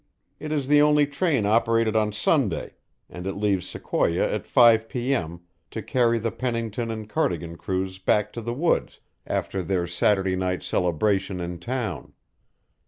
It is the only train operated on Sunday, and it leaves Sequoia at five p.m. to carry the Pennington and Cardigan crews back to the woods after their Saturday night celebration in town.